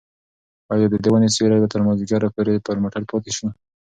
ایا د دې ونې سیوری به تر مازدیګره پورې پر موټر پاتې شي؟